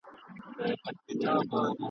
هغه ډنډ دی له دې ښار څخه دباندي !.